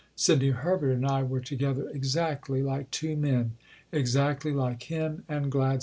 Sidney Herbert and I were together exactly like two men exactly like him and Gladstone."